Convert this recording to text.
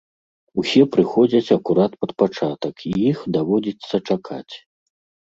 Усе прыходзяць акурат пад пачатак і іх даводзіцца чакаць.